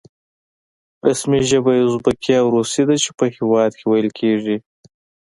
رسمي ژبه یې ازبکي او روسي ده چې په هېواد کې ویل کېږي.